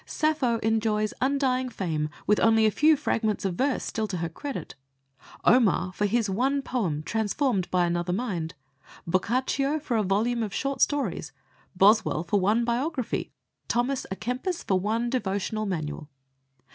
Sappho enjoys undying fame with only a few fragments of verse still to her credit, Omar for his one poem transformed by another mind, Boccaccio for a volume of short stories, Boswell for one biography, Thomas à Kempis for one devotional manual.